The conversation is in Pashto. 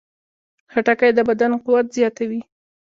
خټکی د بدن قوت زیاتوي.